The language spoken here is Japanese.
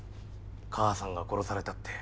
母さんが殺されたって。